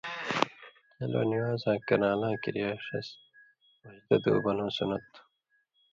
کیالو نِوان٘زاں کران٘لاں کِریا ݜیں بھژدہ دُو بنؤں سُنّت تھُو۔